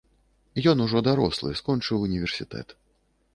Ён ужо дарослы, скончыў універсітэт.